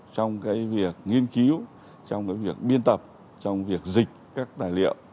trong cái việc nghiên cứu trong việc biên tập trong việc dịch các tài liệu